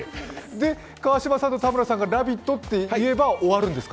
川島さんと田村さんが「ラヴィット！」って言えば終わるんですか？